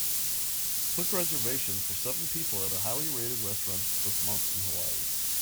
Book a reservation for seven people at a highly rated restaurant this month in Hawaii